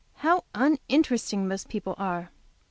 How uninteresting most people are!